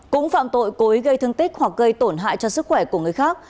cũng phạm tội cố ý gây thương tích hoặc gây tổn hại cho sức khỏe của người khác